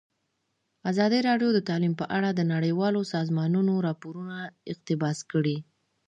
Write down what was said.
ازادي راډیو د تعلیم په اړه د نړیوالو سازمانونو راپورونه اقتباس کړي.